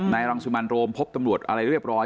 นายรองสุมรรณโรมพบตำรวจอะไรเรียบร้อย